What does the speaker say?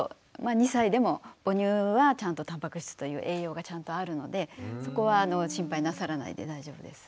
２歳でも母乳はたんぱく質という栄養がちゃんとあるのでそこは心配なさらないで大丈夫です。